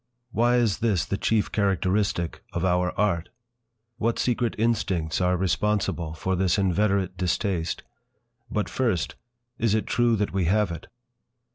Why is this the chief characteristic of our art? What secret instincts are responsible for this inveterate distaste? But, first, is it true that we have it?